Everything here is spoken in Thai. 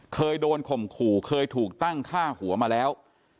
เคยโดนข่มขู่เคยถูกตั้งฆ่าหัวมาแล้ว